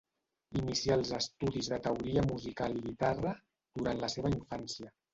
Inicià els estudis de teoria musical i guitarra durant la seva infància.